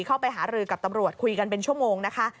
เข้าไปหารือกับตำรวจคุยกันเป็นชั่วโมงนะคะ